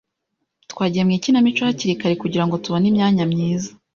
Twagiye mu ikinamico hakiri kare kugirango tubone imyanya myiza.